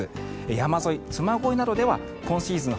山沿い、嬬恋などでは今シーズン